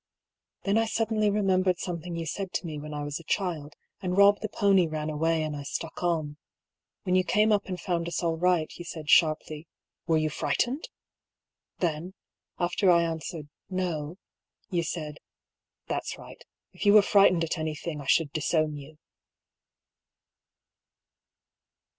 Then I suddenly remembered something you said to me when I was a child, and Eob the pony ran away and I stuck on. When you came up and found us all right you said, sharply, "Were you frightened?" Then, after I answered " No," you said, " That's right If you were frightened at anything, I should disown you."